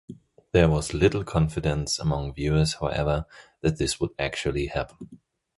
There was little confidence among viewers, however, that this would actually happen.